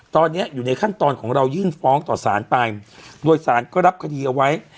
ตอนนี้อยู่ในขั้นตอนของเรายื่นฟ้องต่อสารไปโดยสารก็รับคดีเอาไว้